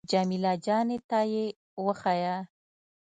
جمیله جانې ته يې وښيه.